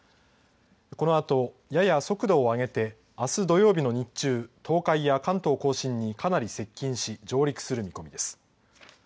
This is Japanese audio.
このあと、やや速度を上げてあす土曜日の日中東海や関東甲信にかなり接近し上陸する見込みです。